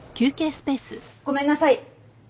ごめんなさい。